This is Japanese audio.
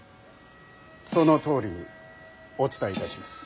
そのとおりにお伝えいたします。